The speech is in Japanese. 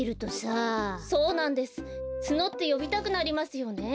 ツノってよびたくなりますよね。